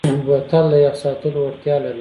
بوتل د یخ ساتلو وړتیا لري.